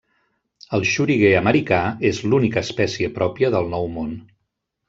El xoriguer americà és l'única espècie pròpia del Nou Món.